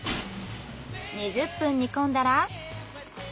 ２０分煮込んだら。